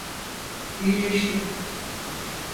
İyileştim.